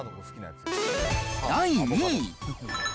第２位。